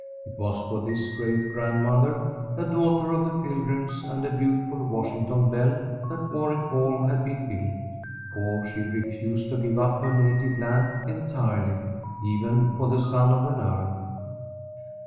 It was for this great grandmother, a daughter of the Pilgrims and a beautiful Washington belle, that Warwick Hall had been built; for she refused to give up her native land entirely, even for the son of an earl.